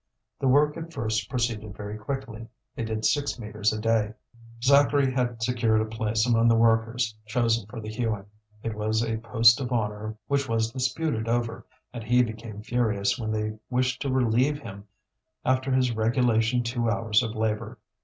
The work at first proceeded very quickly; they did six metres a day. Zacharie had secured a place among the workers chosen for the hewing. It was a post of honour which was disputed over, and he became furious when they wished to relieve him after his regulation two hours of labour.